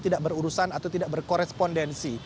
tidak berurusan atau tidak berkorespondensi